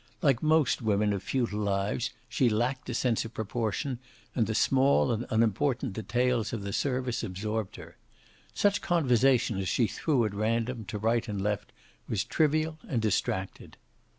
Like most women of futile lives she lacked a sense of proportion, and the small and unimportant details of the service absorbed her. Such conversation as she threw at random, to right and left, was trivial and distracted.